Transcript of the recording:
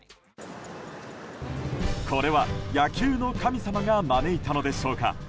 これは野球の神様が招いたのでしょうか。